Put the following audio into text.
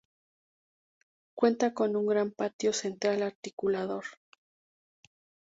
Cuenta con un gran patio central articulador.